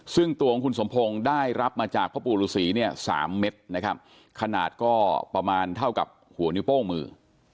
ซึ่งตัวของคุณสมพงศ์ได้รับมาจากพ่อปู่ฤษีเนี่ย๓เม็ดนะครับขนาดก็ประมาณเท่ากับหัวนิ้วโป้งมือ